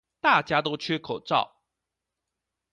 大家都缺口罩